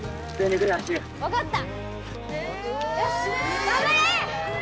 分かった。